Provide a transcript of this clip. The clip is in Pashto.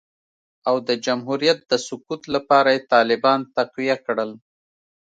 او د جمهوریت د سقوط لپاره یې طالبان تقویه کړل